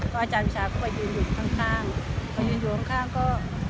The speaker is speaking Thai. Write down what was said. อาจารย์ชาก็มายืนอยู่ข้างข้างพอยืนอยู่ข้างข้างก็